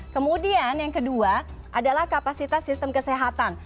kemudian yang kedua adalah kapasitas sistem kesehatan